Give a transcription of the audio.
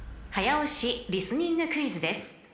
［早押しリスニングクイズです］